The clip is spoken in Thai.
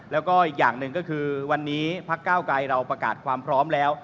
แล้วก็อีกอย่างหนึ่งก็คือวันนี้พักเก้าไกรเราประกาศความพร้อมแล้ว